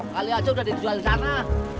kali aja udah dijual di sana